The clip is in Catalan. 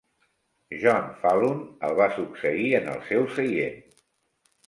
John Falloon el va succeir en el seu seient.